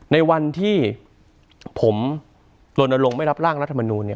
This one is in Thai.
ในวันที่ผมโดนลงไม่รับร่างรัฐมนูม